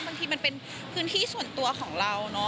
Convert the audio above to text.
บางทีมันเป็นพื้นที่ส่วนตัวของเราเนอะ